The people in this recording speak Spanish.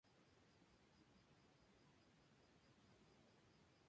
Su iglesia presenta una espadaña triangular de forma románica.